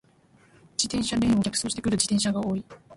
自転車レーンを逆走してくる自転車が多い。